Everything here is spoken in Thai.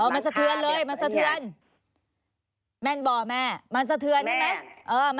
มันสะเทือนเลยมันสะเทือนแม่นบ่อแม่มันสะเทือนใช่ไหม